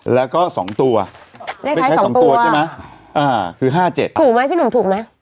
แล้วก็สองตัวไม่ใช้สองตัวใช่ไหมอ่าคือห้าเจ็ดถูกไหมพี่หนุ่มถูกไหม